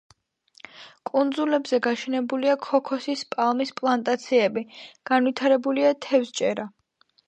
კუნძულებზე გაშენებულია ქოქოსის პალმის პლანტაციები, განვითარებულია თევზჭერა.